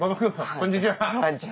こんにちは。